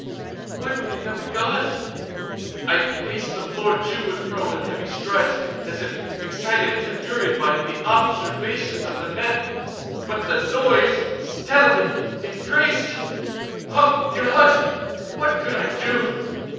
Why would they not be gone? I paced the floor to and fro with heavy strides, as if excited to fury by the observations of the men—but the noise steadily increased. Oh God! what could I do?